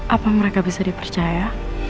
apa mereka bisa dipercaya